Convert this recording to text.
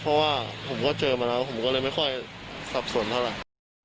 เพราะว่าผมก็เจอมาแล้วผมก็เลยไม่ค่อยสับสนเท่าไหร่